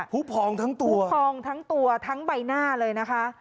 หูพองทั้งตัวทั้งใบหน้าเลยนะคะ